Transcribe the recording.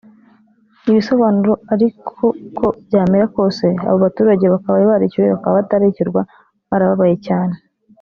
Ibisobanuro ariko uko byamera kose abo baturage bakabaye barishyuwe bakaba batarishyurwa barababaye cyane